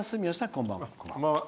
こんばんは。